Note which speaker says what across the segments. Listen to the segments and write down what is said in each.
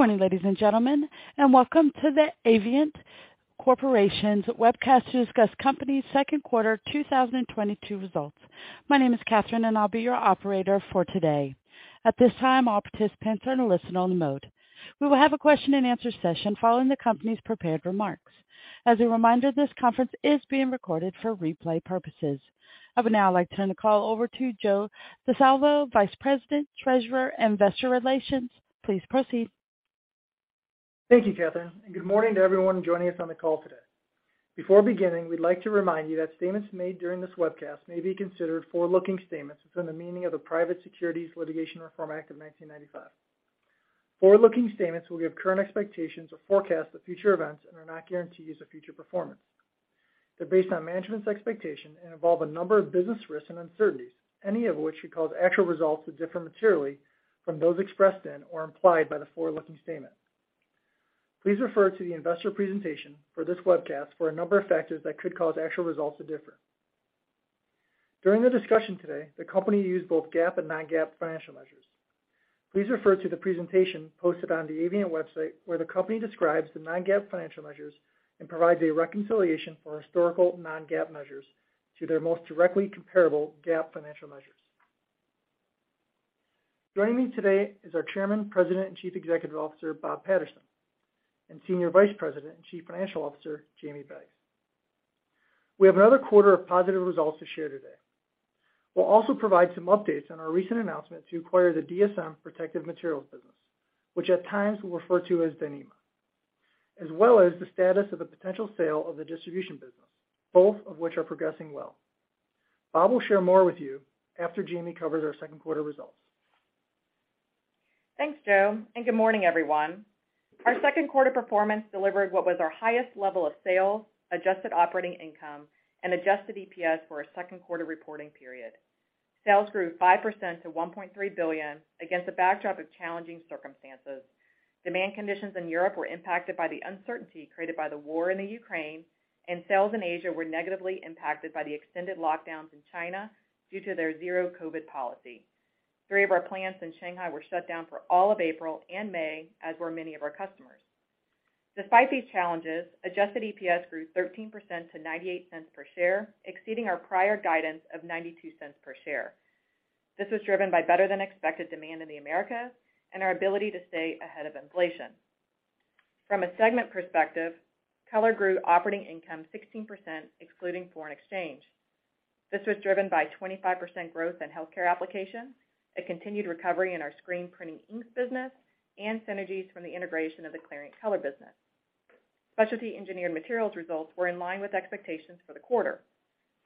Speaker 1: Good morning, ladies and gentlemen, and welcome to the Avient Corporation's webcast to discuss company's second quarter 2022 results. My name is Catherine, and I'll be your operator for today. At this time, all participants are in a listen-only mode. We will have a question-and-answer session following the company's prepared remarks. As a reminder, this conference is being recorded for replay purposes. I would now like to turn the call over to Giuseppe Di Salvo, Vice President, Treasurer, Investor Relations. Please proceed.
Speaker 2: Thank you, Catherine, and good morning to everyone joining us on the call today. Before beginning, we'd like to remind you that statements made during this webcast may be considered forward-looking statements within the meaning of the Private Securities Litigation Reform Act of 1995. Forward-looking statements will give current expectations or forecasts of future events and are not guarantees of future performance. They're based on management's expectations and involve a number of business risks and uncertainties, any of which could cause actual results to differ materially from those expressed in or implied by the forward-looking statement. Please refer to the investor presentation for this webcast for a number of factors that could cause actual results to differ. During the discussion today, the company used both GAAP and non-GAAP financial measures. Please refer to the presentation posted on the Avient website, where the company describes the non-GAAP financial measures and provides a reconciliation for historical non-GAAP measures to their most directly comparable GAAP financial measures. Joining me today is our Chairman, President, and Chief Executive Officer, Bob Patterson, and Senior Vice President and Chief Financial Officer, Jamie Beggs. We have another quarter of positive results to share today. We'll also provide some updates on our recent announcement to acquire the DSM Protective Materials business, which at times we'll refer to as Dyneema, as well as the status of the potential sale of the distribution business, both of which are progressing well. Bob will share more with you after Jamie covers our second quarter results.
Speaker 3: Thanks, Joe, and good morning, everyone. Our second quarter performance delivered what was our highest level of sales, adjusted operating income, and adjusted EPS for a second quarter reporting period. Sales grew 5% to $1.3 billion against a backdrop of challenging circumstances. Demand conditions in Europe were impacted by the uncertainty created by the war in the Ukraine, and sales in Asia were negatively impacted by the extended lockdowns in China due to their zero COVID policy. Three of our plants in Shanghai were shut down for all of April and May, as were many of our customers. Despite these challenges, adjusted EPS grew 13% to $0.98 per share, exceeding our prior guidance of $0.92 per share. This was driven by better than expected demand in the Americas and our ability to stay ahead of inflation. From a segment perspective, Color grew operating income 16% excluding foreign exchange. This was driven by 25% growth in healthcare applications, a continued recovery in our screen printing inks business, and synergies from the integration of the Clariant Color business. Specialty Engineered Materials results were in line with expectations for the quarter.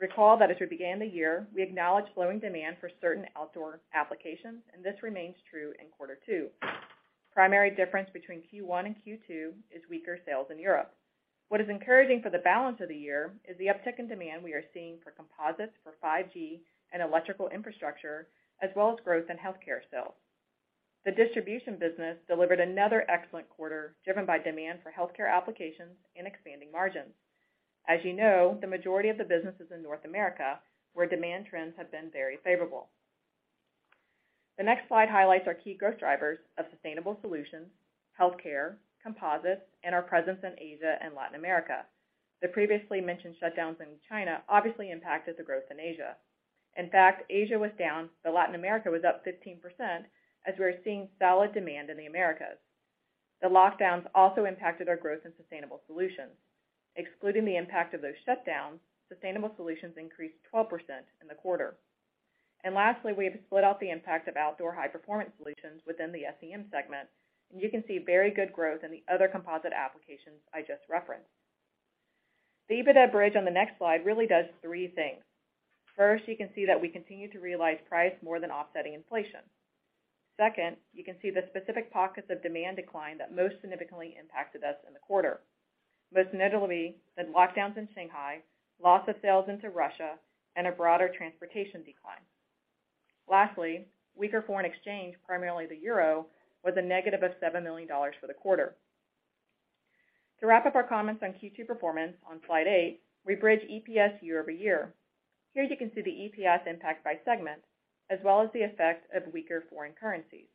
Speaker 3: Recall that as we began the year, we acknowledged slowing demand for certain outdoor applications, and this remains true in quarter two. Primary difference between Q1 and Q2 is weaker sales in Europe. What is encouraging for the balance of the year is the uptick in demand we are seeing for composites for 5G and electrical infrastructure, as well as growth in healthcare sales. The distribution business delivered another excellent quarter, driven by demand for healthcare applications and expanding margins. As you know, the majority of the business is in North America, where demand trends have been very favorable. The next slide highlights our key growth drivers of sustainable solutions, healthcare, composites, and our presence in Asia and Latin America. The previously mentioned shutdowns in China obviously impacted the growth in Asia. In fact, Asia was down, but Latin America was up 15%, as we are seeing solid demand in the Americas. The lockdowns also impacted our growth in sustainable solutions. Excluding the impact of those shutdowns, sustainable solutions increased 12% in the quarter. Lastly, we have split out the impact of outdoor high-performance solutions within the SEM segment, and you can see very good growth in the other composite applications I just referenced. The EBITDA bridge on the next slide really does three things. First, you can see that we continue to realize price more than offsetting inflation. Second, you can see the specific pockets of demand decline that most significantly impacted us in the quarter. Most notably, the lockdowns in Shanghai, loss of sales into Russia, and a broader transportation decline. Lastly, weaker foreign exchange, primarily the euro, was a negative of $7 million for the quarter. To wrap up our comments on Q2 performance on slide eight, we bridge EPS year-over-year. Here you can see the EPS impact by segment as well as the effect of weaker foreign currencies.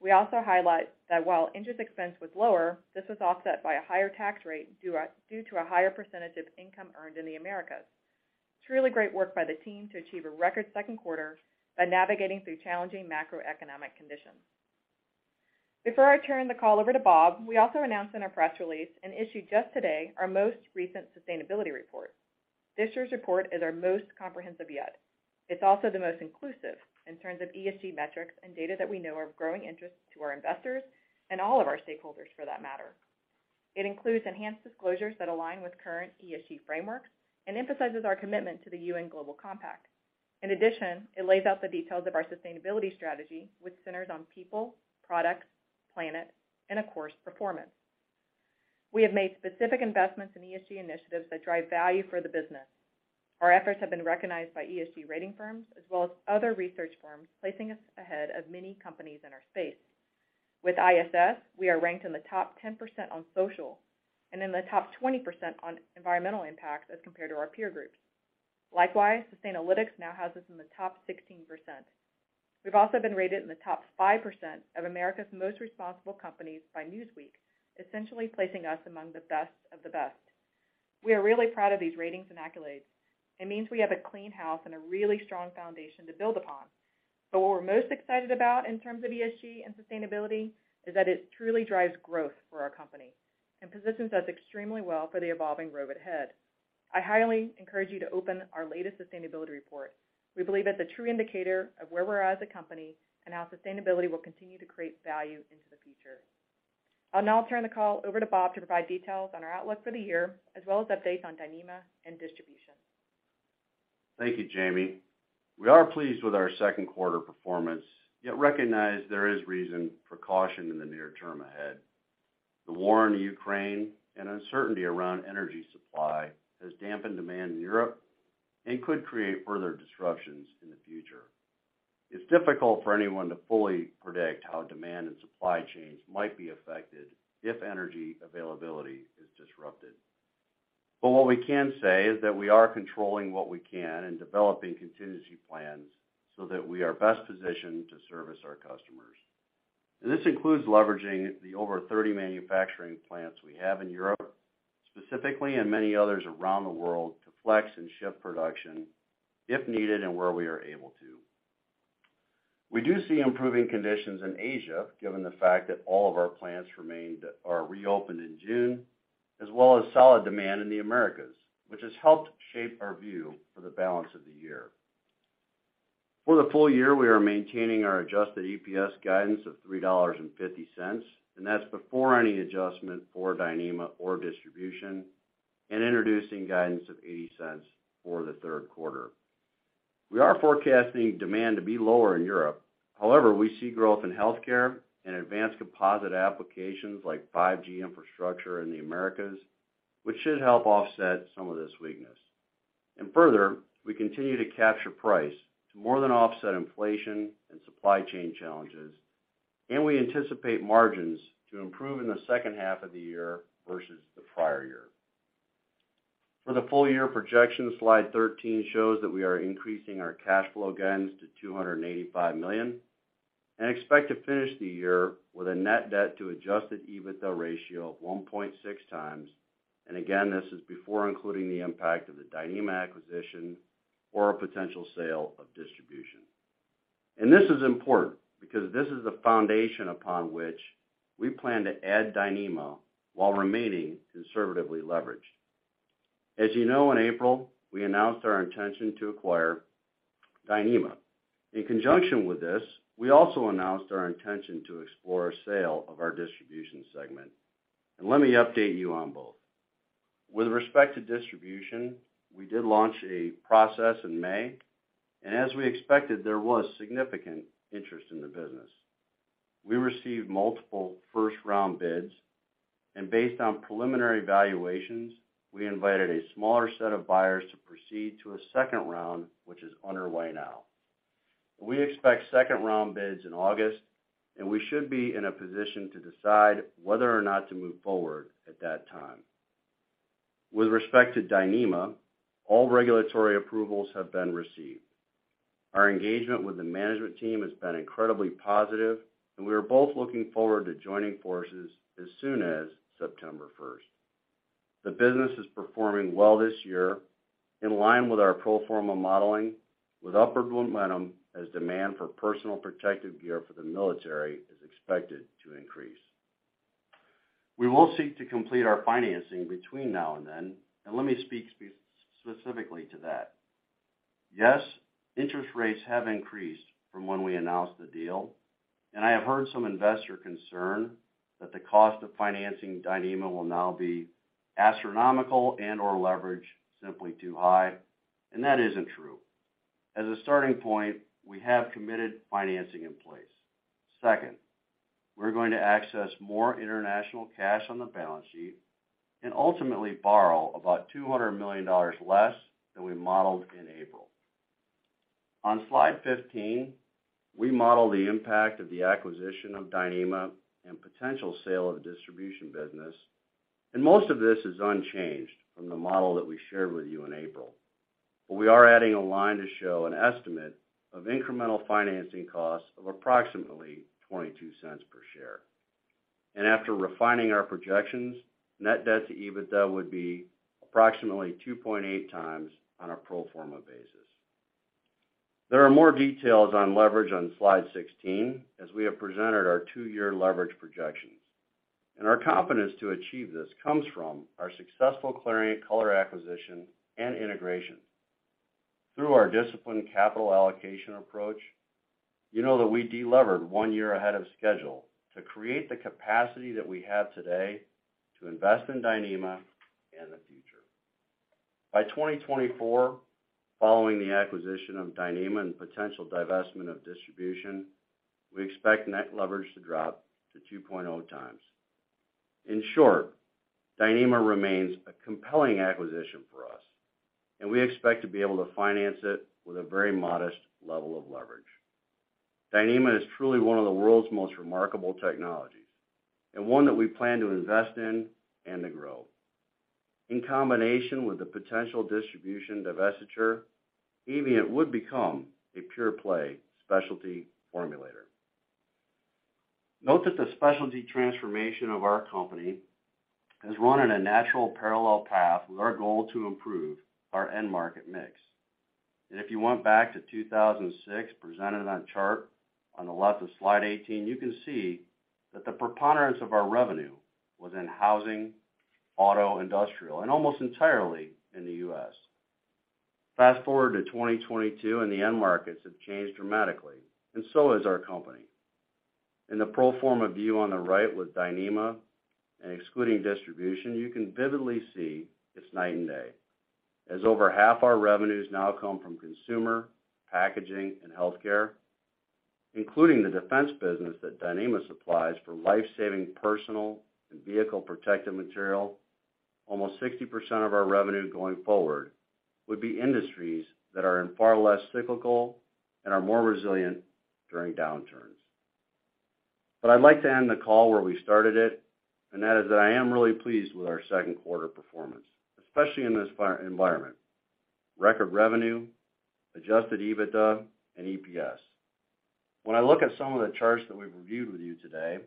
Speaker 3: We also highlight that while interest expense was lower, this was offset by a higher tax rate due to a higher percentage of income earned in the Americas. It's really great work by the team to achieve a record second quarter by navigating through challenging macroeconomic conditions. Before I turn the call over to Bob, we also announced in our press release the issuance just today, our most recent sustainability report. This year's report is our most comprehensive yet. It's also the most inclusive in terms of ESG metrics and data that we know are of growing interest to our investors and all of our stakeholders for that matter. It includes enhanced disclosures that align with current ESG frameworks and emphasizes our commitment to the UN Global Compact. In addition, it lays out the details of our sustainability strategy, which centers on people, products, planet, and of course, performance. We have made specific investments in ESG initiatives that drive value for the business. Our efforts have been recognized by ESG rating firms as well as other research firms, placing us ahead of many companies in our space. With ISS, we are ranked in the top 10% on social and in the top 20% on environmental impacts as compared to our peer groups. Likewise, Sustainalytics now has us in the top 16%. We've also been rated in the top 5% of America's Most Responsible Companies by Newsweek, essentially placing us among the best of the best. We are really proud of these ratings and accolades. It means we have a clean house and a really strong foundation to build upon. What we're most excited about in terms of ESG and sustainability is that it truly drives growth for our company and positions us extremely well for the evolving road ahead. I highly encourage you to open our latest sustainability report. We believe it's a true indicator of where we are as a company and how sustainability will continue to create value into the future. I'll now turn the call over to Bob to provide details on our outlook for the year, as well as updates on Dyneema and Distribution.
Speaker 4: Thank you, Jamie. We are pleased with our second quarter performance, yet recognize there is reason for caution in the near term ahead. The war in Ukraine and uncertainty around energy supply has dampened demand in Europe and could create further disruptions in the future. It's difficult for anyone to fully predict how demand and supply chains might be affected if energy availability is disrupted. What we can say is that we are controlling what we can and developing contingency plans so that we are best positioned to service our customers. This includes leveraging the over 30 manufacturing plants we have in Europe, specifically and many others around the world to flex and shift production if needed and where we are able to. We do see improving conditions in Asia, given the fact that all of our plants remained or reopened in June, as well as solid demand in the Americas, which has helped shape our view for the balance of the year. For the full year, we are maintaining our adjusted EPS guidance of $3.50, and that's before any adjustment for Dyneema or Distribution, and introducing guidance of $0.80 for the third quarter. We are forecasting demand to be lower in Europe. However, we see growth in healthcare and advanced composite applications like 5G infrastructure in the Americas, which should help offset some of this weakness. Further, we continue to capture price to more than offset inflation and supply chain challenges, and we anticipate margins to improve in the second half of the year versus the prior year. For the full year projection, slide 13 shows that we are increasing our cash flow guidance to $285 million and expect to finish the year with a net debt to adjusted EBITDA ratio of 1.6x. Again, this is before including the impact of the Dyneema acquisition or a potential sale of distribution. This is important because this is the foundation upon which we plan to add Dyneema while remaining conservatively leveraged. As you know, in April, we announced our intention to acquire Dyneema. In conjunction with this, we also announced our intention to explore a sale of our distribution segment. Let me update you on both. With respect to distribution, we did launch a process in May, and as we expected, there was significant interest in the business. We received multiple first-round bids, and based on preliminary evaluations, we invited a smaller set of buyers to proceed to a second round, which is underway now. We expect second-round bids in August, and we should be in a position to decide whether or not to move forward at that time. With respect to Dyneema, all regulatory approvals have been received. Our engagement with the management team has been incredibly positive, and we are both looking forward to joining forces as soon as September first. The business is performing well this year, in line with our pro forma modeling, with upward momentum as demand for personal protective gear for the military is expected to increase. We will seek to complete our financing between now and then, and let me speak specifically to that. Yes, interest rates have increased from when we announced the deal, and I have heard some investor concern that the cost of financing Dyneema will now be astronomical and/or leverage simply too high. That isn't true. As a starting point, we have committed financing in place. Second, we're going to access more international cash on the balance sheet and ultimately borrow about $200 million less than we modeled in April. On slide 15, we model the impact of the acquisition of Dyneema and potential sale of the distribution business. Most of this is unchanged from the model that we shared with you in April. We are adding a line to show an estimate of incremental financing costs of approximately $0.22 per share. After refining our projections, net debt to EBITDA would be approximately 2.8 times on a pro forma basis. There are more details on leverage on slide 16, as we have presented our two-year leverage projections. Our confidence to achieve this comes from our successful Clariant Color acquisition and integration. Through our disciplined capital allocation approach, you know that we de-levered one year ahead of schedule to create the capacity that we have today to invest in Dyneema and the future. By 2024, following the acquisition of Dyneema and potential divestment of distribution, we expect net leverage to drop to 2.0 times. In short, Dyneema remains a compelling acquisition for us, and we expect to be able to finance it with a very modest level of leverage. Dyneema is truly one of the world's most remarkable technologies and one that we plan to invest in and to grow. In combination with the potential distribution divestiture, Avient would become a pure play specialty formulator. Note that the specialty transformation of our company has run in a natural parallel path with our goal to improve our end market mix. If you went back to 2006, presented on chart on the left of slide 18, you can see that the preponderance of our revenue was in housing, auto, industrial, and almost entirely in the U.S. Fast-forward to 2022, and the end markets have changed dramatically, and so has our company. In the pro forma view on the right with Dyneema and excluding distribution, you can vividly see it's night and day, as over half our revenues now come from consumer, packaging and healthcare, including the defense business that Dyneema supplies for life-saving personal and vehicle protective material. Almost 60% of our revenue going forward would be industries that are in far less cyclical and are more resilient during downturns. I'd like to end the call where we started it, and that is that I am really pleased with our second quarter performance, especially in this environment. Record revenue, adjusted EBITDA and EPS. When I look at some of the charts that we've reviewed with you today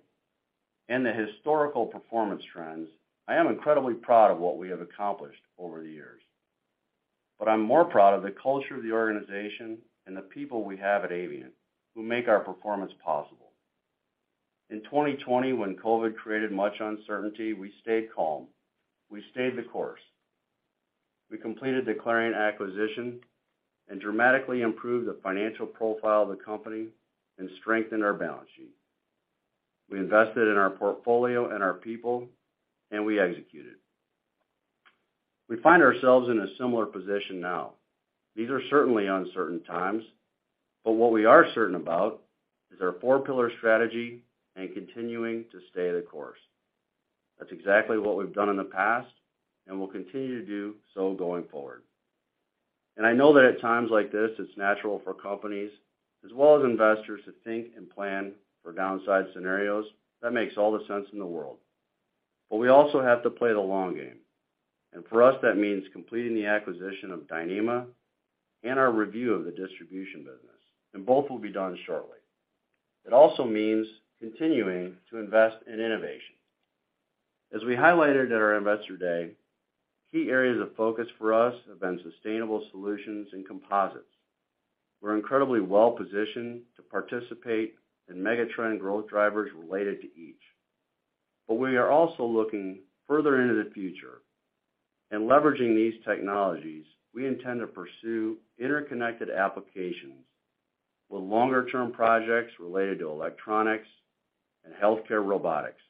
Speaker 4: and the historical performance trends, I am incredibly proud of what we have accomplished over the years. I'm more proud of the culture of the organization and the people we have at Avient who make our performance possible. In 2020, when COVID created much uncertainty, we stayed calm. We stayed the course. We completed the Clariant acquisition and dramatically improved the financial profile of the company and strengthened our balance sheet. We invested in our portfolio and our people, and we executed. We find ourselves in a similar position now. These are certainly uncertain times, but what we are certain about is our four-pillar strategy and continuing to stay the course. That's exactly what we've done in the past, and we'll continue to do so going forward. I know that at times like this, it's natural for companies as well as investors to think and plan for downside scenarios. That makes all the sense in the world. We also have to play the long game. For us, that means completing the acquisition of Dyneema and our review of the distribution business, and both will be done shortly. It also means continuing to invest in innovation. As we highlighted at our Investor Day, key areas of focus for us have been sustainable solutions and composites. We're incredibly well-positioned to participate in mega-trend growth drivers related to each. We are also looking further into the future and leveraging these technologies. We intend to pursue interconnected applications with longer-term projects related to electronics and healthcare robotics,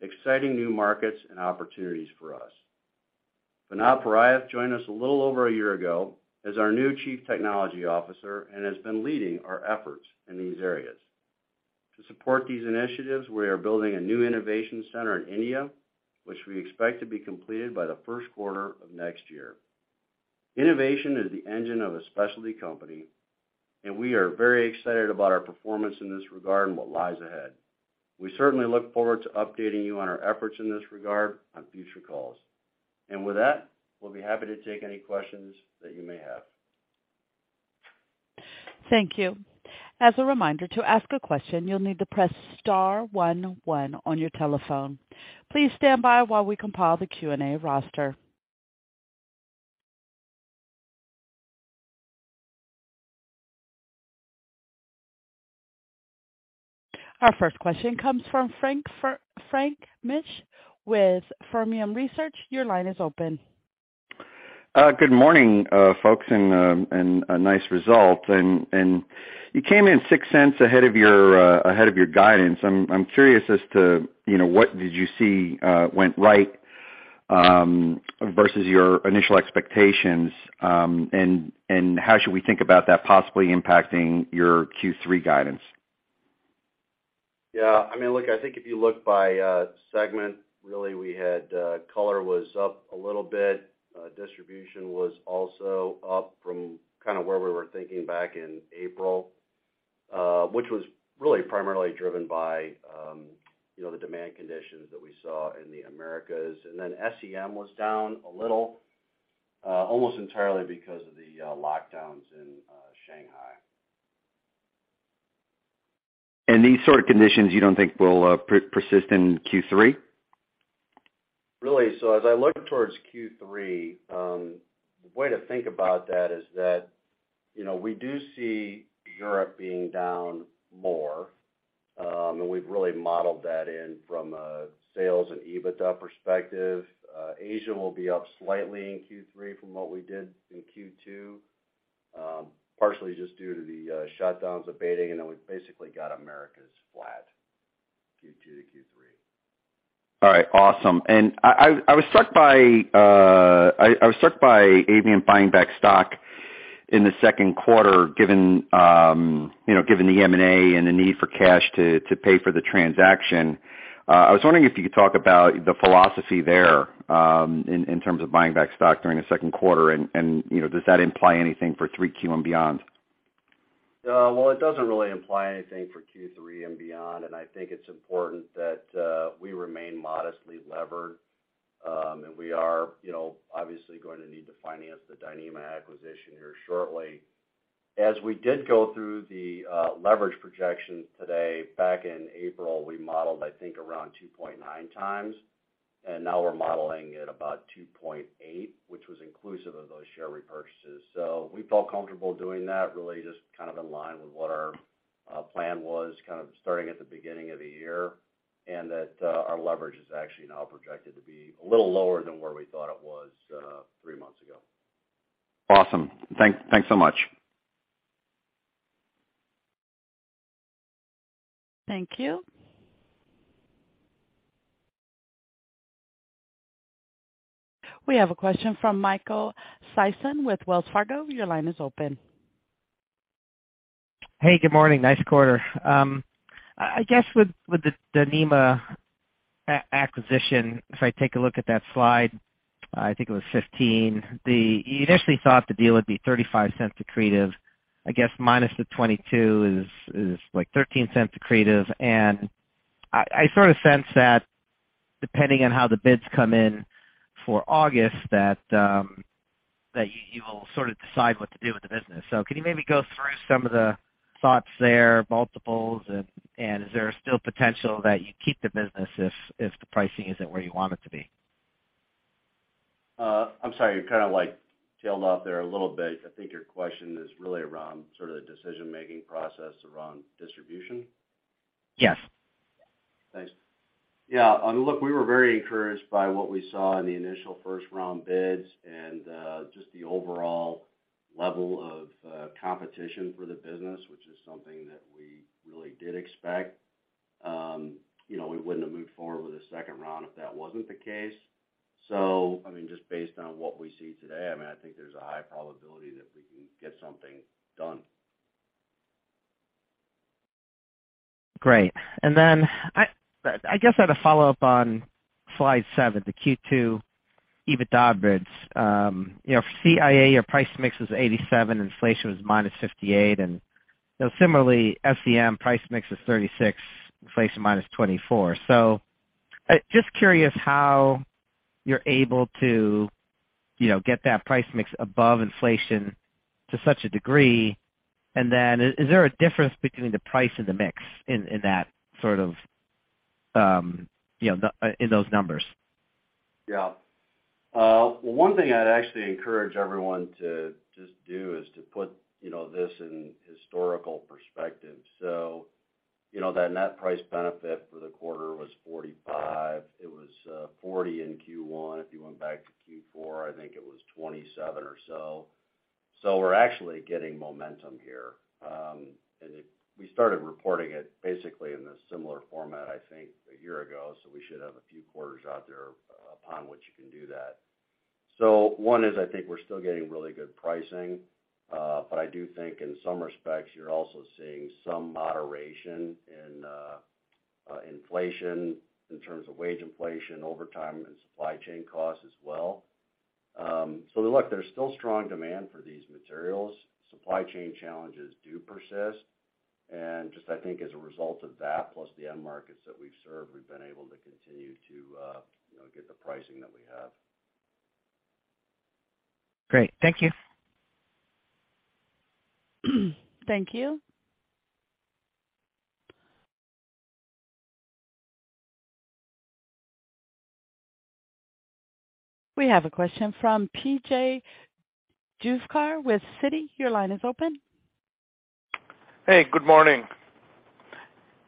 Speaker 4: exciting new markets and opportunities for us. Vinod Purayath joined us a little over a year ago as our new Chief Technology Officer and has been leading our efforts in these areas. To support these initiatives, we are building a new innovation center in India, which we expect to be completed by the first quarter of next year. Innovation is the engine of a specialty company, and we are very excited about our performance in this regard and what lies ahead. We certainly look forward to updating you on our efforts in this regard on future calls. With that, we'll be happy to take any questions that you may have.
Speaker 1: Thank you. As a reminder, to ask a question, you'll need to press star one one on your telephone. Please stand by while we compile the Q&A roster. Our first question comes from Frank Mitsch with Fermium Research. Your line is open.
Speaker 5: Good morning, folks, and a nice result. You came in $0.06 ahead of your guidance. I'm curious as to, you know, what did you see went right versus your initial expectations, and how should we think about that possibly impacting your Q3 guidance?
Speaker 4: Yeah, I mean, look, I think if you look by segment, really we had Color was up a little bit. Distribution was also up from kind of where we were thinking back in April, which was really primarily driven by, you know, the demand conditions that we saw in the Americas. Then SEM was down a little, almost entirely because of the lockdowns in Shanghai.
Speaker 5: These sort of conditions you don't think will persist in Q3?
Speaker 4: Really, as I look towards Q3, the way to think about that is that, you know, we do see Europe being down more, and we've really modeled that in from a sales and EBITDA perspective. Asia will be up slightly in Q3 from what we did in Q2, partially just due to the shutdowns abating, and then we've basically got Americas flat, Q2 to Q3.
Speaker 5: All right, awesome. I was struck by Avient buying back stock in the second quarter, given you know the M&A and the need for cash to pay for the transaction. I was wondering if you could talk about the philosophy there, in terms of buying back stock during the second quarter and you know does that imply anything for 3Q and beyond?
Speaker 4: Well, it doesn't really imply anything for Q3 and beyond, and I think it's important that we remain modestly levered. We are, you know, obviously going to need to finance the Dyneema acquisition here shortly. As we did go through the leverage projections today, back in April, we modeled, I think around 2.9x, and now we're modeling at about 2.8x, which was inclusive of those share repurchases. We felt comfortable doing that, really just kind of in line with what our plan was kind of starting at the beginning of the year, and that our leverage is actually now projected to be a little lower than where we thought it was three months ago.
Speaker 5: Awesome. Thanks so much.
Speaker 1: Thank you. We have a question from Michael Sison with Wells Fargo. Your line is open.
Speaker 6: Hey, good morning. Nice quarter. I guess with the Dyneema acquisition, if I take a look at that slide, I think it was 15, you initially thought the deal would be $0.35 accretive, I guess minus the 22 is like $0.13 accretive. I sort of sense that depending on how the bids come in for August, that you will sort of decide what to do with the business. Can you maybe go through some of the thoughts there, multiples and is there still potential that you keep the business if the pricing isn't where you want it to be?
Speaker 4: I'm sorry, you kind of like tailed off there a little bit. I think your question is really around sort of the decision-making process around distribution.
Speaker 6: Yes.
Speaker 4: Thanks. Yeah. Look, we were very encouraged by what we saw in the initial first-round bids and just the overall level of competition for the business, which is something that we really did expect. You know, we wouldn't have moved forward with a second round if that wasn't the case. I mean, just based on what we see today, I mean, I think there's a high probability that we can get something done.
Speaker 6: Great. Then I guess I had a follow-up on slide seven, the Q2 EBITDA bridge. You know, for CAI, your price mix was $87, inflation was -$58. You know, similarly, SEM price mix was $36, inflation -$24. Just curious how you're able to, you know, get that price mix above inflation to such a degree. Then is there a difference between the price and the mix in that sort of, you know, in those numbers?
Speaker 4: Yeah. One thing I'd actually encourage everyone to just do is to put, you know, this in historical perspective. You know, the net price benefit for the quarter was $45. It was $40 in Q1. If you went back to Q4, I think it was $27 or so. We're actually getting momentum here. We started reporting it basically in a similar format, I think a year ago. We should have a few quarters out there upon which you can do that. One is, I think we're still getting really good pricing. I do think in some respects, you're also seeing some moderation in inflation in terms of wage inflation over time and supply chain costs as well. Look, there's still strong demand for these materials. Supply chain challenges do persist. Just I think as a result of that, plus the end markets that we've served, we've been able to continue to, you know, get the pricing that we have.
Speaker 6: Great. Thank you.
Speaker 1: Thank you. We have a question from P.J. Juvekar with Citigroup. Your line is open.
Speaker 7: Hey, good morning.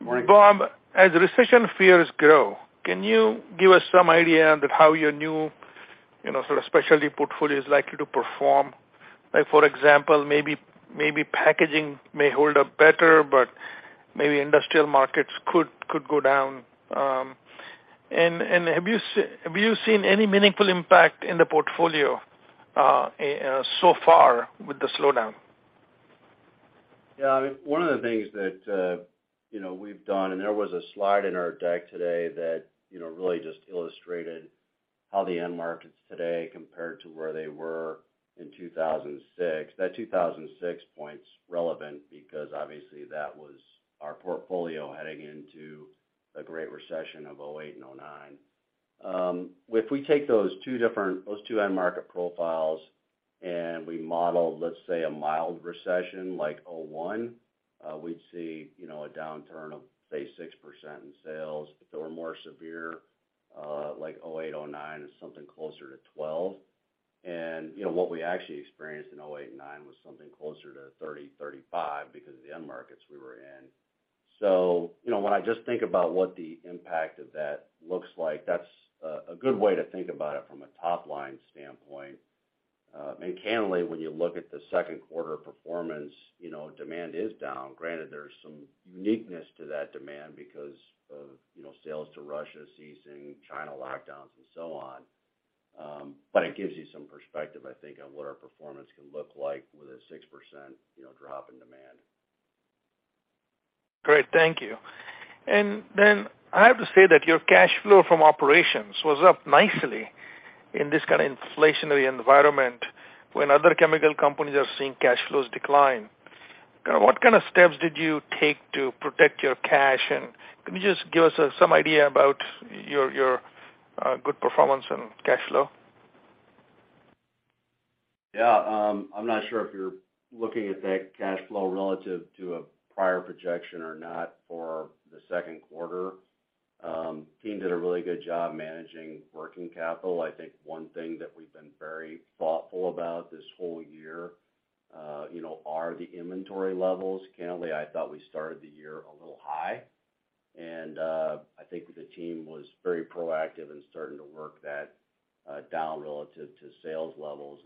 Speaker 4: Morning.
Speaker 7: Bob, as recession fears grow, can you give us some idea on how your new, you know, sort of specialty portfolio is likely to perform? Like for example, maybe packaging may hold up better, but maybe industrial markets could go down. Have you seen any meaningful impact in the portfolio so far with the slowdown?
Speaker 4: Yeah. I mean, one of the things that, you know, we've done, and there was a slide in our deck today that, you know, really just illustrated how the end markets today compared to where they were in 2006. That 2006 point's relevant because obviously that was our portfolio heading into the Great Recession of 2008 and 2009. If we take those two end market profiles and we model, let's say, a mild recession like 2001, we'd see, you know, a downturn of, say, 6% in sales. If it were more severe, like 2008, 2009, it's something closer to 12%. You know, what we actually experienced in 2008 and 2009 was something closer to 30%-35% because of the end markets we were in. You know, when I just think about what the impact of that looks like, that's a good way to think about it from a top-line standpoint. Candidly, when you look at the second quarter performance, you know, demand is down. Granted, there's some uniqueness to that demand because of, you know, sales to Russia ceasing, China lockdowns and so on. It gives you some perspective, I think, on what our performance can look like with a 6% drop in demand.
Speaker 7: Great. Thank you. I have to say that your cash flow from operations was up nicely in this kind of inflationary environment when other chemical companies are seeing Cash Flows decline. What kind of steps did you take to protect your cash? Can you just give us some idea about your good performance on Cash Flow?
Speaker 4: Yeah. I'm not sure if you're looking at that cash flow relative to a prior projection or not for the second quarter. Team did a really good job managing working capital. I think one thing that we've been very thoughtful about this whole year, you know, are the inventory levels. Candidly, I thought we started the year a little high, and I think the team was very proactive in starting to work that down relative to sales levels.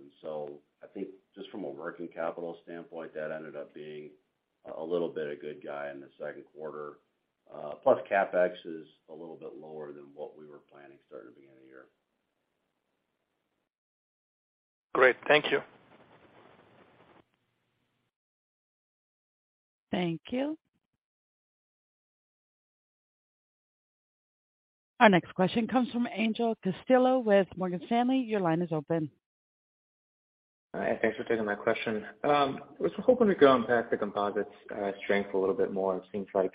Speaker 4: I think just from a working capital standpoint, that ended up being a little bit a good guy in the second quarter. Plus CapEx is a little bit lower than what we were planning at the beginning of the year.
Speaker 7: Great. Thank you.
Speaker 1: Thank you. Our next question comes from Angel Castillo with Morgan Stanley. Your line is open.
Speaker 8: Hi. Thanks for taking my question. I was hoping to go on past the composites strength a little bit more. It seems like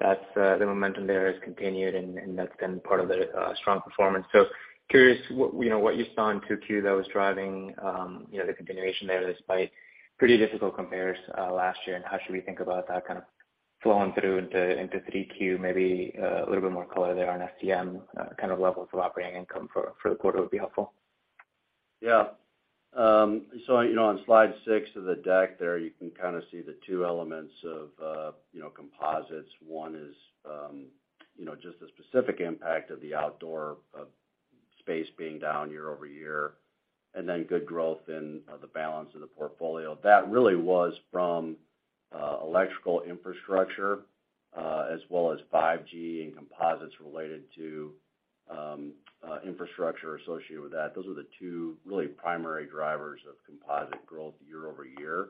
Speaker 8: that's the momentum there has continued and that's been part of the strong performance. Curious what, you know, what you saw in 2Q that was driving, you know, the continuation there despite pretty difficult compares last year, and how should we think about that kind of flowing through into 3Q? Maybe a little bit more color there on SEM kind of levels of operating income for the quarter would be helpful.
Speaker 4: Yeah. You know, on slide six of the deck there, you can kind of see the two elements of, you know, composites. One is, you know, just the specific impact of the outdoor space being down year-over-year, and then good growth in, the balance of the portfolio. That really was from, electrical infrastructure, as well as 5G and composites related to, infrastructure associated with that. Those were the two really primary drivers of composite growth year-over-year.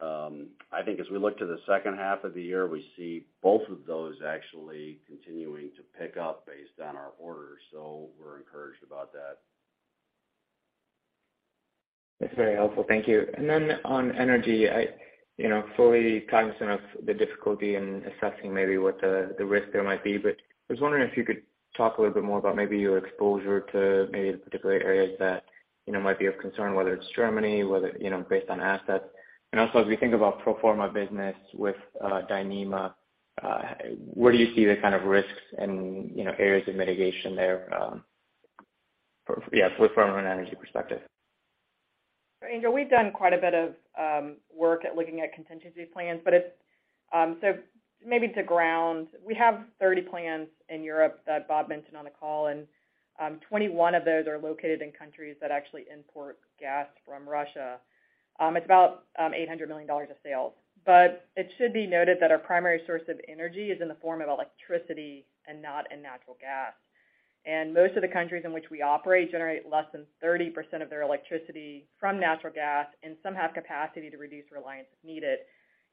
Speaker 4: I think as we look to the second half of the year, we see both of those actually continuing to pick up based on our orders. We're encouraged about that.
Speaker 8: That's very helpful. Thank you. On energy, I you know fully cognizant of the difficulty in assessing maybe what the risk there might be, but I was wondering if you could talk a little bit more about maybe your exposure to the particular areas that you know might be of concern, whether it's Germany, whether you know based on assets. Also as we think about pro forma business with Dyneema, where do you see the kind of risks and you know areas of mitigation there from an energy perspective?
Speaker 3: Angel, we've done quite a bit of work at looking at contingency plans. Maybe to ground, we have 30 plants in Europe that Bob mentioned on the call, and 21 of those are located in countries that actually import gas from Russia. It's about $800 million of sales. But it should be noted that our primary source of energy is in the form of electricity and not in natural gas. Most of the countries in which we operate generate less than 30% of their electricity from natural gas, and some have capacity to reduce reliance if needed.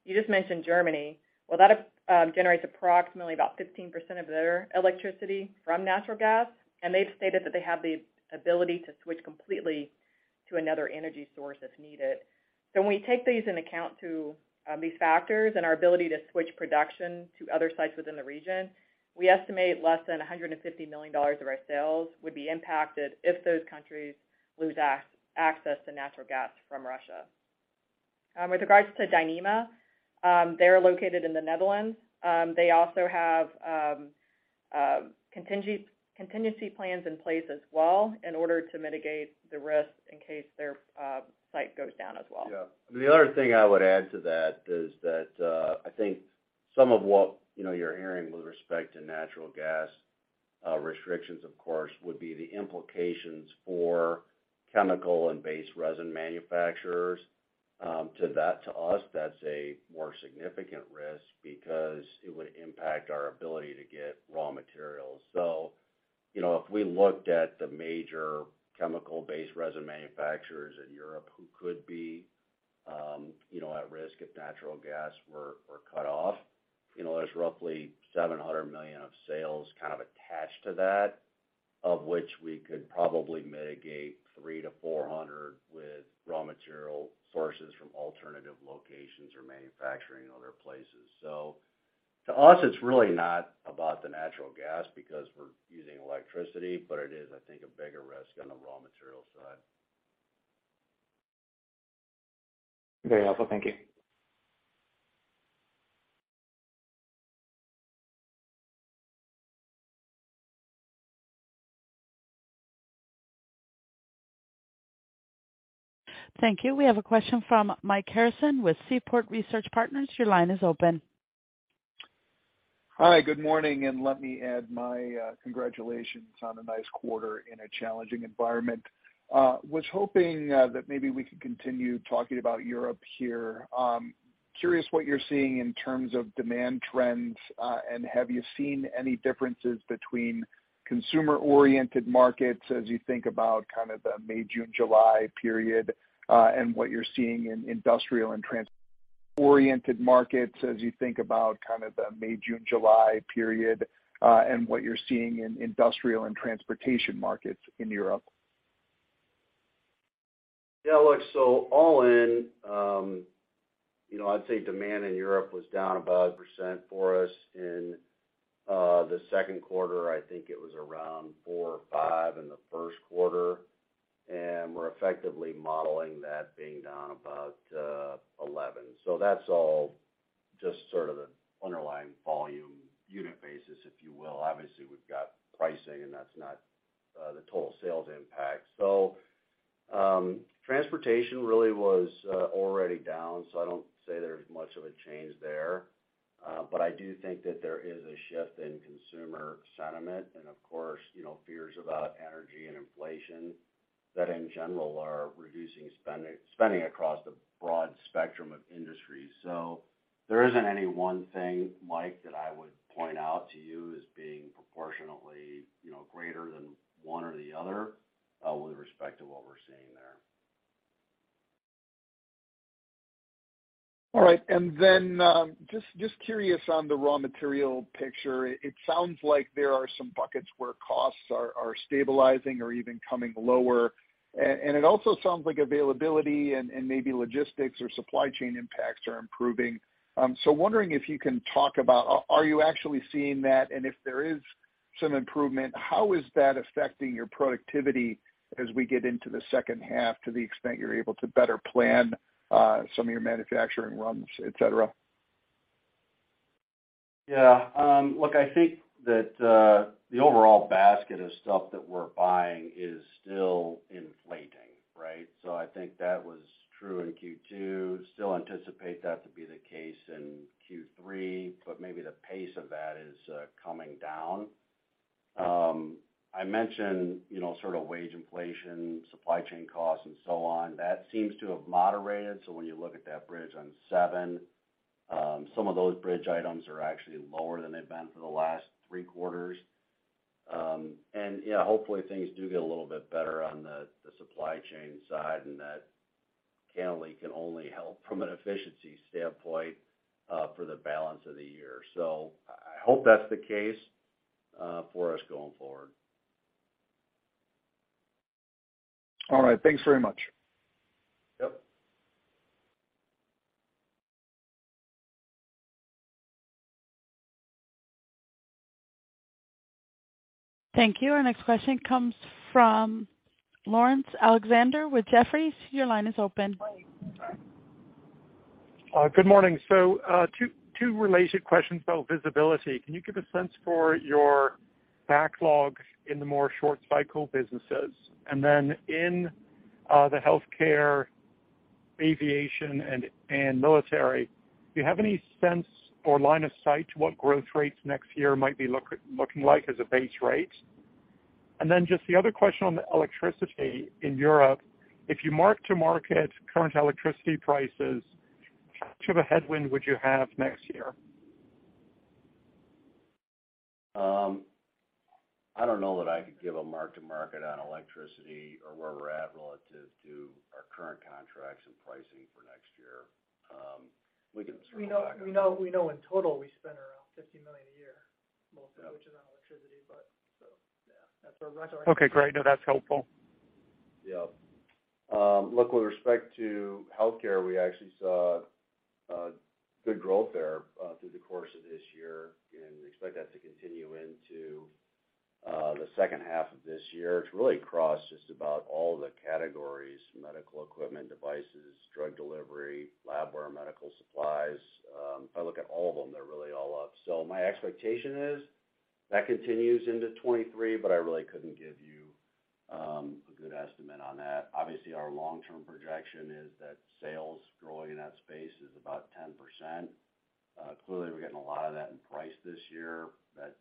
Speaker 3: You just mentioned Germany. Well, that generates approximately about 15% of their electricity from natural gas, and they've stated that they have the ability to switch completely to another energy source if needed. When we take these into account too these factors and our ability to switch production to other sites within the region, we estimate less than $150 million of our sales would be impacted if those countries lose access to natural gas from Russia. With regards to Dyneema, they're located in the Netherlands. They also have contingency plans in place as well in order to mitigate the risk in case their site goes down as well.
Speaker 4: Yeah. The other thing I would add to that is that, I think some of what, you know, you're hearing with respect to natural gas restrictions, of course, would be the implications for chemical and base resin manufacturers. To us, that's a more significant risk because it would impact our ability to get raw materials. You know, if we looked at the major chemical-based resin manufacturers in Europe who could be, you know, at risk if natural gas were cut off, you know, there's roughly $700 million of sales kind of attached to that, of which we could probably mitigate $300-$400 million with raw material sources from alternative locations or manufacturing in other places. to us, it's really not about the natural gas because we're using electricity, but it is, I think, a bigger risk on the raw material side.
Speaker 8: Very helpful. Thank you.
Speaker 1: Thank you. We have a question from Mike Harrison with Seaport Research Partners. Your line is open.
Speaker 9: Hi. Good morning, and let me add my congratulations on a nice quarter in a challenging environment. Was hoping that maybe we could continue talking about Europe here. Curious what you're seeing in terms of demand trends, and have you seen any differences between consumer-oriented markets as you think about kind of the May/June/July period, and what you're seeing in industrial and trans- -oriented markets as you think about kind of the May, June, July period, and what you're seeing in industrial and transportation markets in Europe?
Speaker 4: Yeah. Look, all in, you know, I'd say demand in Europe was down about 8% for us in the second quarter. I think it was around 4 or 5% in the first quarter. We're effectively modeling that being down about 11%. That's all just sort of the underlying volume unit basis, if you will. Obviously, we've got pricing, and that's not the total sales impact. Transportation really was already down, so I don't see there's much of a change there. I do think that there is a shift in consumer sentiment and, of course, you know, fears about energy and inflation that, in general, are reducing spending across the broad spectrum of industries. There isn't any one thing, Mike, that I would point out to you as being proportionately, you know, greater than one or the other, with respect to what we're seeing there.
Speaker 9: All right. Then just curious on the raw material picture. It sounds like there are some buckets where costs are stabilizing or even coming lower. It also sounds like availability and maybe logistics or supply chain impacts are improving. Wondering if you can talk about, are you actually seeing that? If there is some improvement, how is that affecting your productivity as we get into the second half to the extent you're able to better plan some of your manufacturing runs, et cetera?
Speaker 4: Yeah. Look, I think that the overall basket of stuff that we're buying is still inflating, right? I think that was true in Q2, still anticipate that to be the case in Q3, but maybe the pace of that is coming down. I mentioned, you know, sort of wage inflation, supply chain costs and so on. That seems to have moderated. When you look at that bridge on seven, some of those bridge items are actually lower than they've been for the last three quarters. Yeah, hopefully things do get a little bit better on the supply chain side, and that can only help from an efficiency standpoint for the balance of the year. I hope that's the case for us going forward.
Speaker 9: All right. Thanks very much.
Speaker 4: Yep.
Speaker 1: Thank you. Our next question comes from Laurence Alexander with Jefferies. Your line is open.
Speaker 10: Good morning. Two related questions about visibility. Can you give a sense for your backlog in the more short cycle businesses? And then in the healthcare, aviation, and military, do you have any sense or line of sight to what growth rates next year might be looking like as a base rate? And then just the other question on the electricity in Europe. If you mark to market current electricity prices, much of a headwind would you have next year?
Speaker 4: I don't know that I could give a mark to market on electricity or where we're at relative to our current contracts and pricing for next year.
Speaker 2: We know in total we spend around $50 million a year, most of which is on electricity. Yeah. That's our
Speaker 10: Okay, great. No, that's helpful.
Speaker 4: Yeah. Look, with respect to healthcare, we actually saw good growth there through the course of this year and expect that to continue into the second half of this year. It's really across just about all the categories, medical equipment, devices, drug delivery, labware, medical supplies. If I look at all of them, they're really all up. My expectation is that continues into 2023, but I really couldn't give you a good estimate on that. Obviously, our long-term projection is that sales growing in that space is about 10%. Clearly we're getting a lot of that in price this year. That is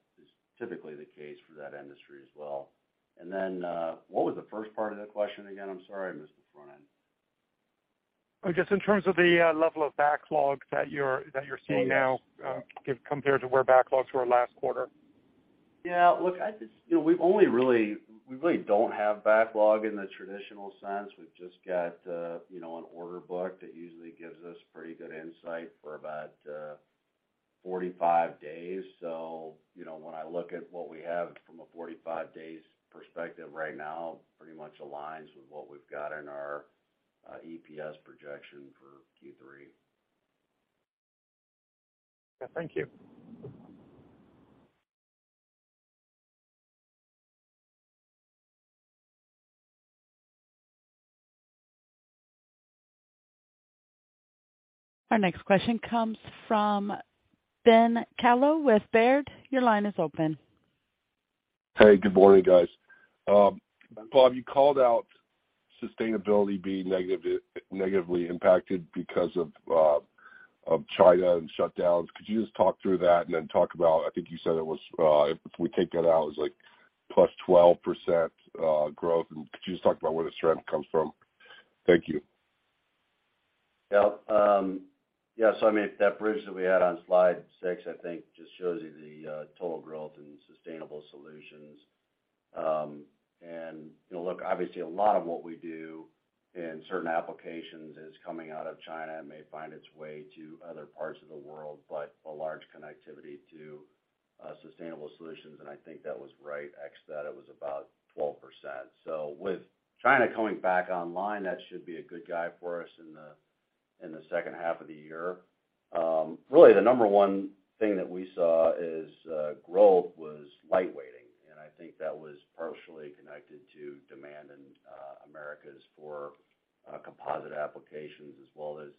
Speaker 4: typically the case for that industry as well. What was the first part of that question again? I'm sorry, I missed the front end.
Speaker 10: Just in terms of the level of backlog that you're seeing now, compared to where backlogs were last quarter.
Speaker 4: Look, you know, we really don't have backlog in the traditional sense. We just got, you know, an order book that usually gives us pretty good insight for about 45 days. You know, when I look at what we have from a 45 days perspective right now, pretty much aligns with what we've got in our EPS projection for Q3.
Speaker 10: Yeah. Thank you.
Speaker 1: Our next question comes from Ben Kallo with Baird. Your line is open.
Speaker 11: Hey, good morning, guys. Bob, you called out sustainability being negatively impacted because of China and shutdowns. Could you just talk through that and then talk about, I think you said it was, if we take that out, it was like +12% growth, and could you just talk about where the strength comes from? Thank you.
Speaker 4: Yeah. I mean, that bridge that we had on slide six, I think just shows you the total growth in sustainable solutions. You know, look, obviously a lot of what we do in certain applications is coming out of China and may find its way to other parts of the world, but a large connectivity to sustainable solutions, and I think that was right. Except that, it was about 12%. With China coming back online, that should be a good guide for us in the second half of the year. Really, the number one thing that we saw is growth was lightweighting, and I think that was partially connected to demand in Americas for composite applications as well as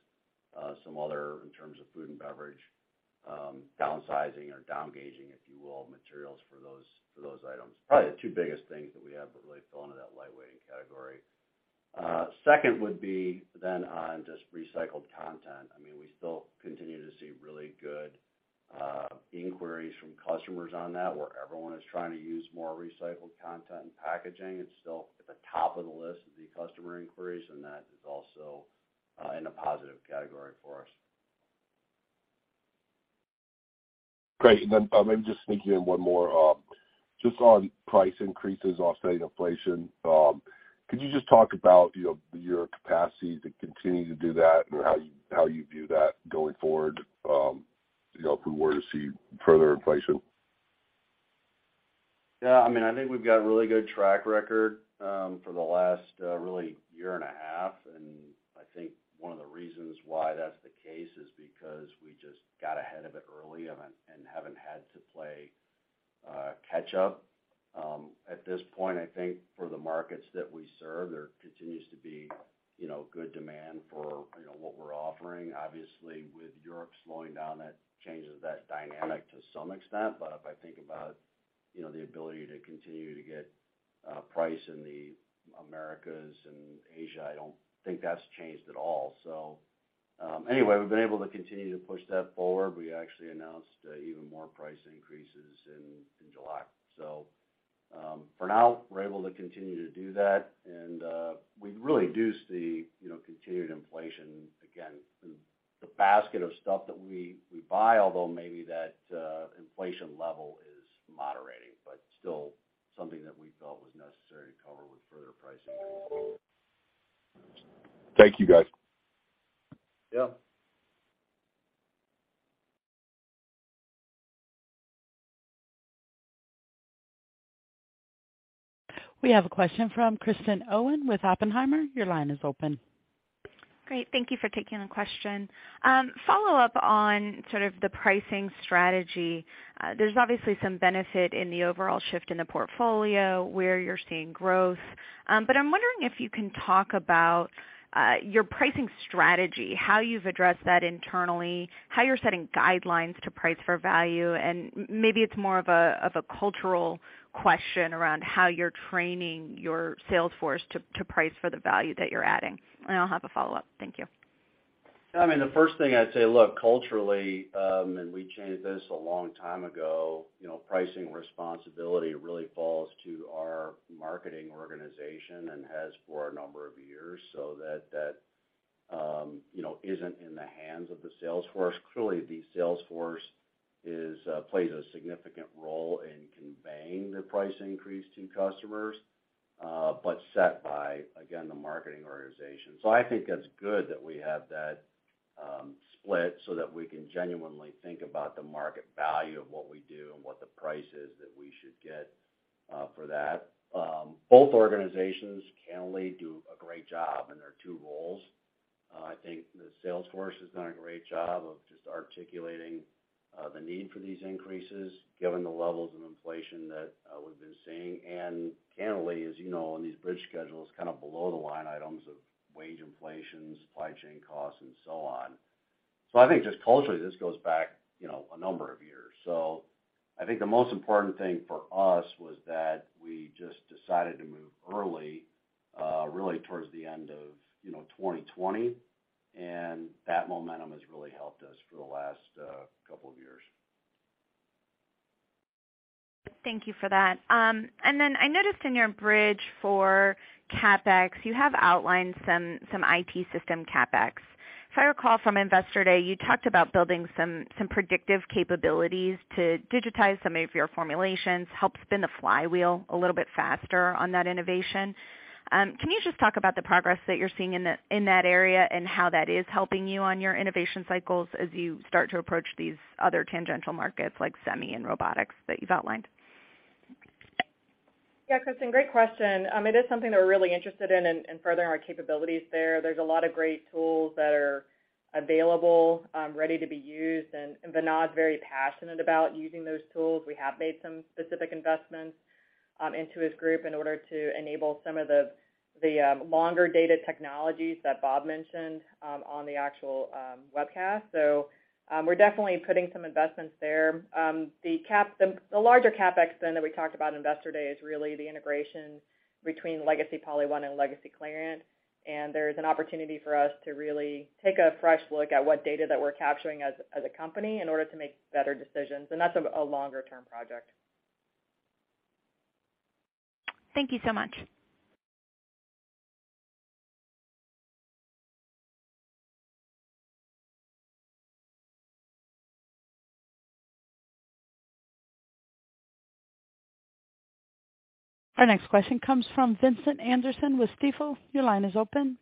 Speaker 4: some other in terms of food and beverage downsizing or down-gauging, if you will, materials for those items. Probably the two biggest things that we have that really fit into that lightweighting category. Second would be on just recycled content. I mean, we still continue to see really good inquiries from customers on that, where everyone is trying to use more recycled content in packaging. It's still at the top of the list of the customer inquiries, and that is also in a positive category for us.
Speaker 11: Great. Maybe just sneak in one more. Just on price increases offsetting inflation, could you just talk about, you know, your capacity to continue to do that and how you view that going forward, you know, if we were to see further inflation?
Speaker 4: Yeah, I mean, I think we've got a really good track record for the last real year and a half, and I think one of the reasons why that's the case is because we just got ahead of it early and haven't had to play catch up. At this point, I think for the markets that we serve, there continues to be, you know, good demand for, you know, what we're offering. Obviously, with Europe slowing down, that changes that dynamic to some extent. But if I think about, you know, the ability to continue to get price in the Americas and Asia, I don't think that's changed at all. Anyway, we've been able to continue to push that forward. We actually announced even more price increases in July. For now, we're able to continue to do that, and we really do see, you know, continued inflation, again, through the basket of stuff that we buy, although maybe that inflation level is moderating, but still something that we felt was necessary to cover with further price increases.
Speaker 11: Thank you, guys.
Speaker 4: Yeah.
Speaker 1: We have a question from Kristen Owen with Oppenheimer. Your line is open.
Speaker 12: Great. Thank you for taking the question. Follow up on sort of the pricing strategy. There's obviously some benefit in the overall shift in the portfolio where you're seeing growth. But I'm wondering if you can talk about your pricing strategy, how you've addressed that internally, how you're setting guidelines to price for value, and maybe it's more of a cultural question around how you're training your sales force to price for the value that you're adding. I'll have a follow-up. Thank you.
Speaker 4: I mean, the first thing I'd say, look, culturally, and we changed this a long time ago, you know, pricing responsibility really falls to our marketing organization and has for a number of years. That, you know, isn't in the hands of the sales force. Clearly, the sales force plays a significant role in conveying the price increase to customers, but set by, again, the marketing organization. I think it's good that we have that split so that we can genuinely think about the market value of what we do and what the price is that we should get for that. Both organizations can only do a great job in their two roles. I think the sales force has done a great job of just articulating the need for these increases given the levels of inflation that we've been seeing. Candidly, as you know, on these bridge schedules, kind of below the line items of wage inflation, supply chain costs, and so on. I think just culturally, this goes back, you know, a number of years. I think the most important thing for us was that we just decided to move early, really towards the end of, you know, 2020, and that momentum has really helped us for the last couple of years.
Speaker 12: Thank you for that. I noticed in your bridge for CapEx, you have outlined some IT system CapEx. If I recall from Investor Day, you talked about building some predictive capabilities to digitize some of your formulations, help spin the flywheel a little bit faster on that innovation. Can you just talk about the progress that you're seeing in that area and how that is helping you on your innovation cycles as you start to approach these other tangential markets like semi and robotics that you've outlined?
Speaker 3: Yeah, Kristen, great question. It is something that we're really interested in furthering our capabilities there. There's a lot of great tools that are available, ready to be used, and Vinod's very passionate about using those tools. We have made some specific investments into his group in order to enable some of the longer data technologies that Bob mentioned on the actual webcast. We're definitely putting some investments there. The larger CapEx spend that we talked about in Investor Day is really the integration between legacy PolyOne and legacy Clariant. There's an opportunity for us to really take a fresh look at what data that we're capturing as a company in order to make better decisions, and that's a longer-term project.
Speaker 12: Thank you so much.
Speaker 1: Our next question comes from Vincent Andrews with Stifel. Your line is open.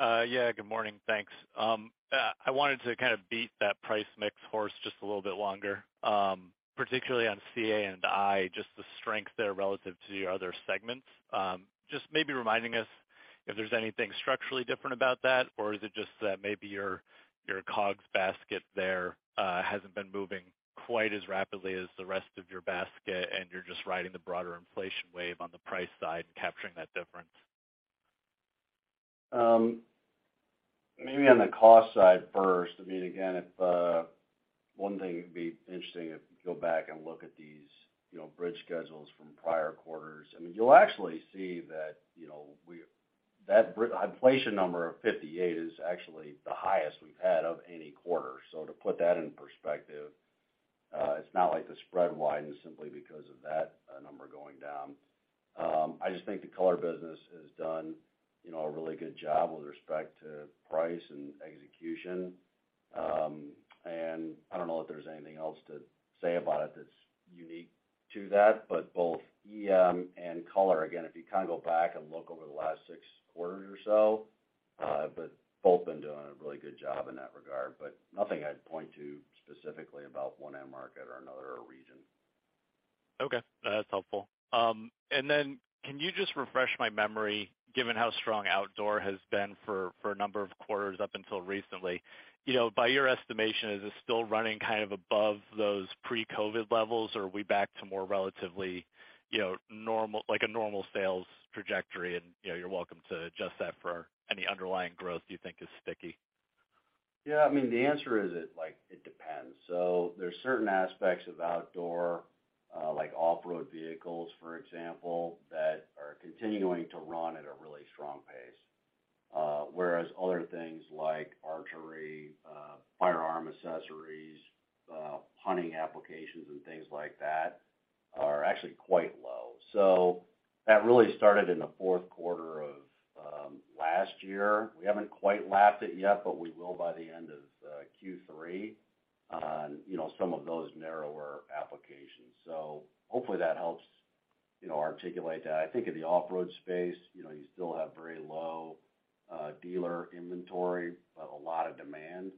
Speaker 13: Yeah, good morning. Thanks. I wanted to kind of beat that price mix horse just a little bit longer, particularly on CAI, just the strength there relative to your other segments. Just maybe reminding us if there's anything structurally different about that, or is it just that maybe your COGS basket there hasn't been moving quite as rapidly as the rest of your basket, and you're just riding the broader inflation wave on the price side and capturing that difference?
Speaker 4: Maybe on the cost side first, I mean, again, one thing it'd be interesting if you go back and look at these, you know, bridge schedules from prior quarters. I mean, you'll actually see that, you know, that inflation number of 58 is actually the highest we've had of any quarter. To put that in perspective, it's not like the spread widens simply because of that number going down. I just think the color business has done, you know, a really good job with respect to price and execution. I don't know if there's anything else to say about it that's unique to that. Both SEM and Color, again, if you kind of go back and look over the last six quarters or so, they've both been doing a really good job in that regard, but nothing I'd point to specifically about one end market or another or region.
Speaker 13: Okay, that's helpful. Can you just refresh my memory, given how strong outdoor has been for a number of quarters up until recently. You know, by your estimation, is it still running kind of above those pre-COVID levels, or are we back to more relatively, you know, normal, like a normal sales trajectory? You know, you're welcome to adjust that for any underlying growth you think is sticky.
Speaker 4: Yeah. I mean, the answer is it, like, it depends. There's certain aspects of outdoor, like off-road vehicles, for example, that are continuing to run at a really strong pace. Whereas other things like archery, firearm accessories, hunting applications and things like that are actually quite low. That really started in the fourth quarter of last year. We haven't quite lapped it yet, but we will by the end of Q3 on, you know, some of those narrower applications. Hopefully that helps, you know, articulate that. I think in the off-road space, you know, you still have very low dealer inventory, but a lot of demand,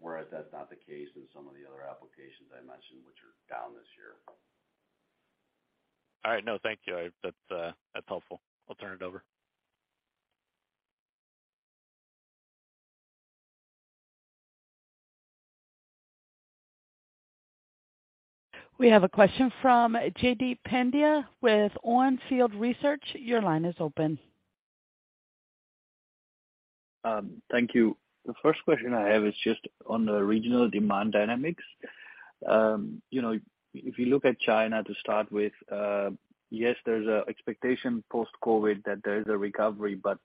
Speaker 4: whereas that's not the case in some of the other applications I mentioned, which are down this year.
Speaker 13: All right. No, thank you. That's helpful. I'll turn it over.
Speaker 1: We have a question from Jaideep Pandya with On Field Research. Your line is open.
Speaker 14: Thank you. The first question I have is just on the regional demand dynamics. You know, if you look at China to start with, yes, there's an expectation post-COVID that there is a recovery, but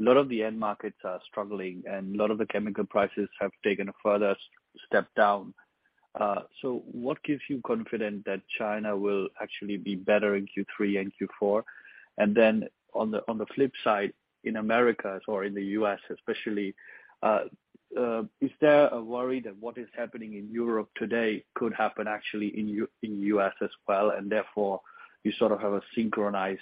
Speaker 14: a lot of the end markets are struggling, and a lot of the chemical prices have taken a further step down. So what gives you confidence that China will actually be better in Q3 and Q4? Then on the flip side, in Americas or in the U.S. especially, is there a worry that what is happening in Europe today could happen actually in the U.S. as well, and therefore you sort of have a synchronized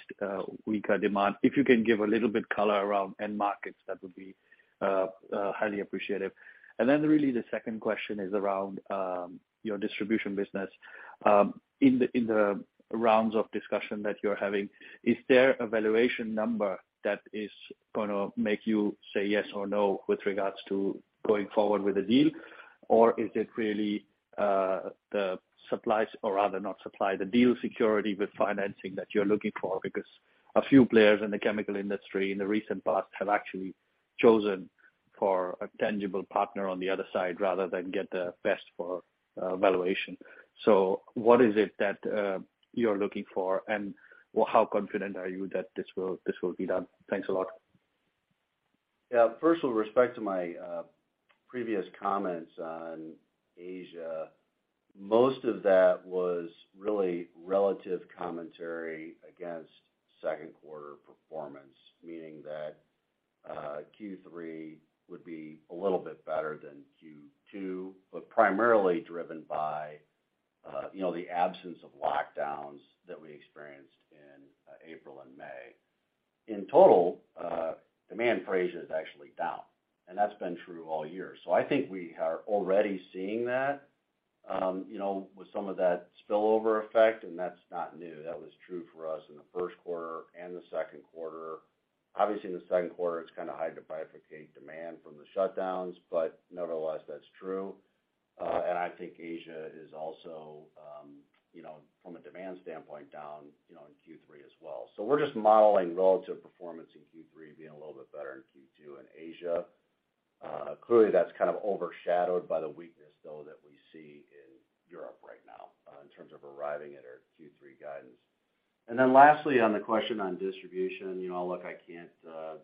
Speaker 14: weaker demand? If you can give a little bit color around end markets, that would be highly appreciated. Really the second question is around your distribution business. In the rounds of discussion that you're having, is there a valuation number that is gonna make you say yes or no with regards to going forward with the deal? Or is it really the deal security with financing that you're looking for? Because a few players in the chemical industry in the recent past have actually chosen a tangible partner on the other side rather than get the best valuation. What is it that you're looking for, and how confident are you that this will be done? Thanks a lot.
Speaker 4: Yeah. First of all, with respect to my previous comments on Asia, most of that was really relative commentary against second quarter performance, meaning that Q3 would be a little bit better than Q2, but primarily driven by you know the absence of lockdowns that we experienced in April and May. In total demand for Asia is actually down, and that's been true all year. I think we are already seeing that you know with some of that spillover effect, and that's not new. That was true for us in the first quarter and the second quarter. Obviously, in the second quarter, it's kind of hard to bifurcate demand from the shutdowns, but nevertheless, that's true. I think Asia is also you know from a demand standpoint down you know in Q3 as well. We're just modeling relative performance in Q3 being a little bit better in Q2 in Asia. Clearly, that's kind of overshadowed by the weakness though that we see in Europe right now, in terms of arriving at our Q3 guidance. Lastly, on the question on distribution, you know, look, I can't,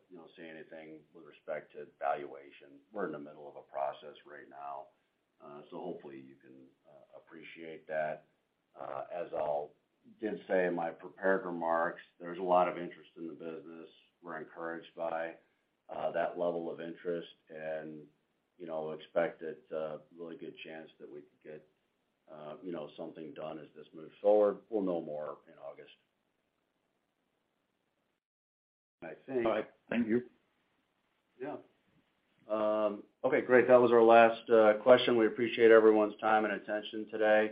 Speaker 4: you know, say anything with respect to valuation. We're in the middle of a process right now. Hopefully you can appreciate that. As I did say in my prepared remarks, there's a lot of interest in the business. We're encouraged by that level of interest and, you know, expect there's a really good chance that we could get, you know, something done as this moves forward. We'll know more in August. I think.
Speaker 14: All right. Thank you.
Speaker 4: Yeah. Okay, great. That was our last question. We appreciate everyone's time and attention today,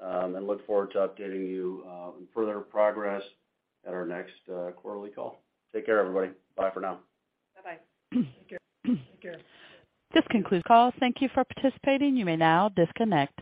Speaker 4: and look forward to updating you on further progress at our next quarterly call. Take care, everybody. Bye for now.
Speaker 1: Bye-bye. Take care. Take care. This concludes the call. Thank you for participating. You may now disconnect.